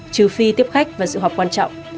trừ phi tiếp khách và dự học quan trọng